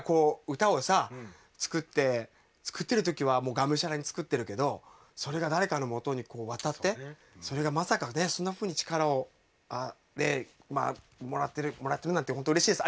歌を作ってる時は、がむしゃらに作ってるけどそれが誰かのもとに渡ってそれがまさか、そんなふうに力をもらってるなんて本当うれしいです。